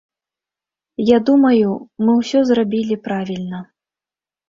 Я думаю, мы ўсё зрабілі правільна.